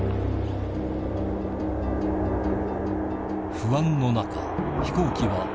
不安の中飛行機はああ。